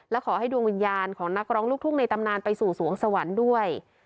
และขอให้ดวงวิญญาณของนักร้องลูกทุ่งในตำนานไปสู่สวงสวรรค์ด้วย